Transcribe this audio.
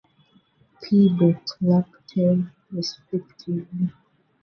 P. Laptev, respectively.